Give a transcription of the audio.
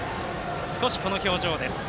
少しこの表情です。